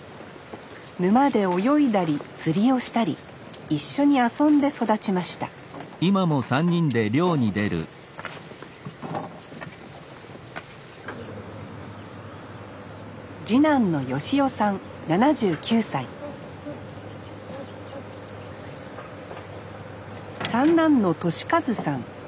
沼で泳いだり釣りをしたり一緒に遊んで育ちました次男の芳夫さん７９歳三男の利一さん